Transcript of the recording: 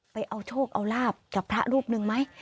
ไปเอาโชคเอาลาบกับพระรูปหนึ่งไหม